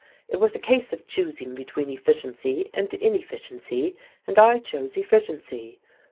It was a case of choosing between efficiency and inefficiency, and I chose efficiency.